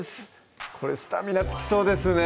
これスタミナつきそうですね